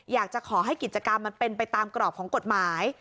อยากจะขอให้กิจกรรมมันเป็นไปตามกรอบของกฎหมาย